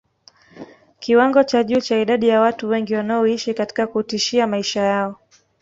Kiwango cha juu cha idadi ya watu wengi wanaoishi katika kutishia maisha yao